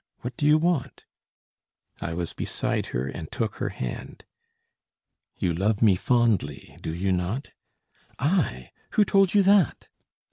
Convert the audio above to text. What do you want?" I was beside her and took her hand. "You love me fondly, do you not?" "I! who told you that?"